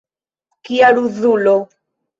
Kia ruzulo!